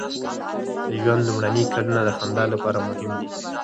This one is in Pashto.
د ژوند لومړني کلونه د خندا لپاره مهم دي.